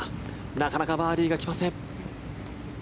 なかなかバーディーが来ません。